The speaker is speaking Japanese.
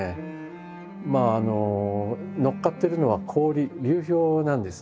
まあ乗っかってるのは氷流氷なんですね。